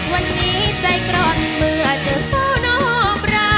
วันนี้ใจกรรเมื่อเจอสาวโนบรา